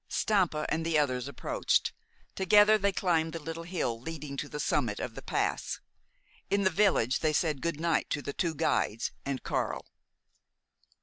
Stampa and the others approached. Together they climbed the little hill leading to the summit of the pass. In the village they said "Good night" to the two guides and Karl.